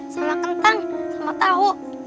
sama kentang sama tahu